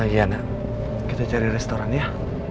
iya nak kita cari restoran ya